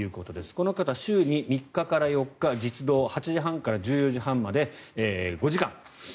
この方は週に３日から４日実働８時半から１４時半まで５時間。